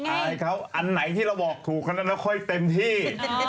อายเขาอันไหนที่เราบอกถูกก็ค่อยเต็มที่